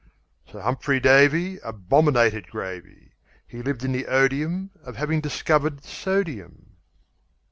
Sir Humphrey Davy Abominated gravy. He lived in the odium Of having discovered sodium.